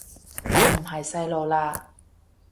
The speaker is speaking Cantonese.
我唔係細路喇